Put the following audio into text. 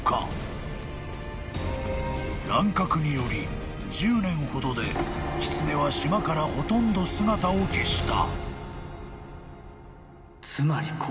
［乱獲により１０年ほどでキツネは島からほとんど姿を消した］